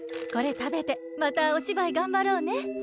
これ食べてまたお芝居がんばろうね。